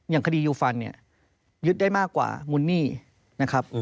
อย่างคดียูฟันเนี่ยยึดได้มากกว่ามูลหนี้นะครับ